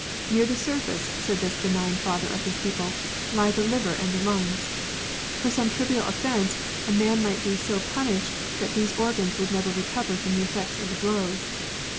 " Near the surface," said this benign father of his people, "lie the liver and the lungs. For some trivial offence a man might be so punished that these organs would never recover from the effects of the blows."